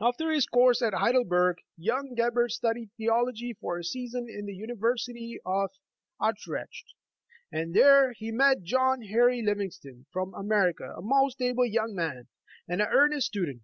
After his course at Heidelberg, young Gebhard studied theology for a season in the University of Utrecht, and there he met John Henry Livingston, from America, a most able young man, and an earnest stu dent.